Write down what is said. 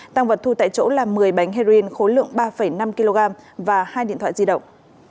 tăng vật thu tại chỗ là một mươi bánh heroin khối lượng ba năm kg và hai điện thoại di động